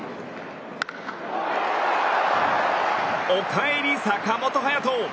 おかえり、坂本勇人！